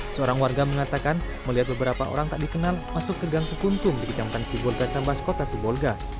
seorang warga mengatakan melihat beberapa orang tak dikenal masuk ke gang sekuntum di kecamatan sibolga sambas kota sibolga